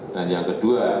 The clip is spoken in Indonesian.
dan yang kedua